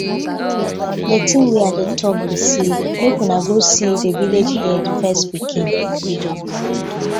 Di tin wey I dey tok bi say mek unu go see di villag head first pikin.